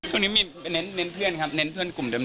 ช่วงนี้มีเน้นเพื่อนครับเน้นเพื่อนกลุ่มเดิม